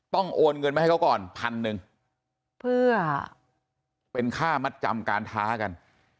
โอนเงินมาให้เขาก่อนพันหนึ่งเพื่อเป็นค่ามัดจำการท้ากัน